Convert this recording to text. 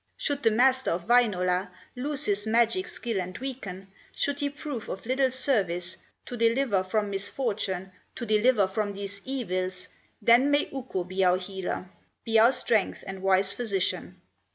Should the Master of Wainola Lose his magic skill and weaken, Should he prove of little service To deliver from misfortune, To deliver from these evils, Then may Ukko be our healer, Be our strength and wise Physician.